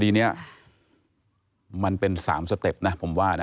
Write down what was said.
ทีนี้มันเป็น๓สเต็ปนะผมว่านะ